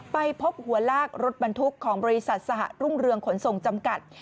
ไปพบหัวลากรถบรรทุกของบริษัทสหรุ่งเรืองขนส่งจำกัด